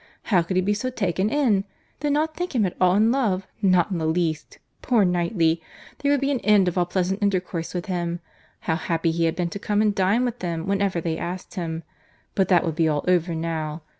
—How could he be so taken in?—Did not think him at all in love—not in the least.—Poor Knightley!—There would be an end of all pleasant intercourse with him.—How happy he had been to come and dine with them whenever they asked him! But that would be all over now.